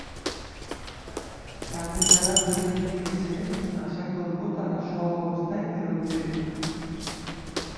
তাঁকে যারা তুলে নিয়ে গেছে, আশা করব, তারা স্ব-অবস্থায় ফেরত দেবে।